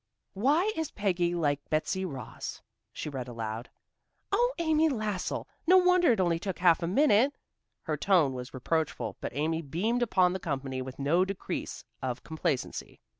"Why is Peggy like Betsy Ross?" she read aloud. "Oh, Amy Lassell! No wonder it only took a half minute." Her tone was reproachful, but Amy beamed upon the company with no decrease of complacency.